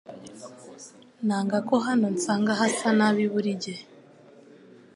Nanga ko hano nsanga hasa nabi buri gihe .